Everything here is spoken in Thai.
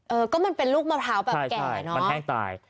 เออก็มันเป็นลูกมะพร้าวแบบแก่เนอะมันแห้งตาย